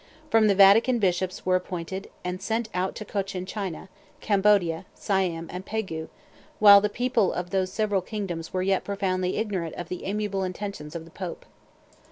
From the Vatican bishops were appointed, and sent out to Cochin China, Cambodia, Siam, and Pegu, while the people of those several kingdoms were yet profoundly ignorant of the amiable intentions of the Pope.